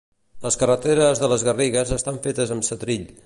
Les carreteres de les Garrigues estan fetes amb setrill.